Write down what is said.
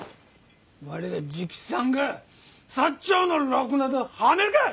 我ら直参が長の禄などはめるか！